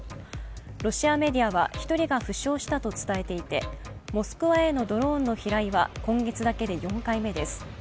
ロシアメディアは１人が負傷したと伝えていてモスクワへのドローンの飛来は今月だけで４回目です。